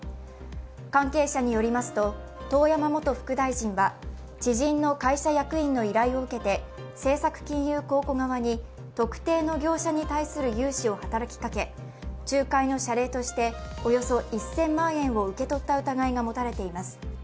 関係者によりますと遠山元副大臣は知人の会社役員の依頼を受けて政策金融公庫側に特定の業者に対する融資を働きかけ、仲介の謝礼として、およそ１０００万円を受け取った疑いが持たれています。